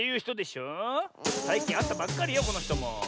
さいきんあったばっかりよこのひとも。